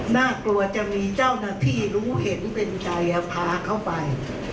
น่ากลัวจะมีเจ้าหน้าที่รู้เห็นเป็นใจพาเข้าไป